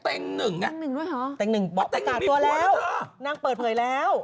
ตั๊งหนึ่งมีปัญหาเงยแล้ว